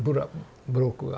ブロックが。